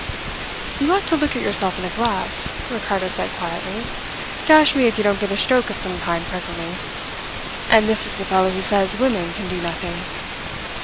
"You ought to look at yourself in a glass," Ricardo said quietly. "Dash me if you don't get a stroke of some kind presently. And this is the fellow who says women can do nothing!